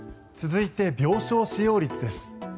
続いて、病床使用率です。